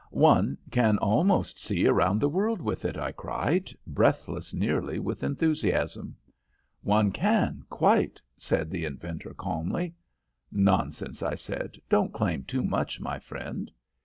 "'One can almost see around the world with it,' I cried, breathless nearly with enthusiasm. "'One can quite,' said the inventor, calmly. "'Nonsense!' I said. 'Don't claim too much, my friend.'